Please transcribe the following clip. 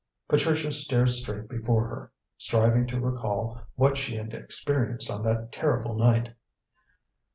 Patricia stared straight before her, striving to recall what she had experienced on that terrible night.